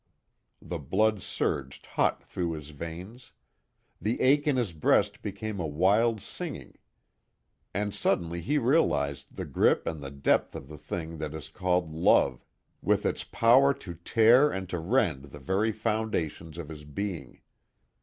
The blood surged hot through his veins. The ache in his breast became a wild singing. And suddenly he realized the grip and the depth of the thing that is called love, with its power to tear and to rend the very foundations of his being.